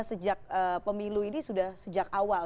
sejak pemilu ini sudah sejak awal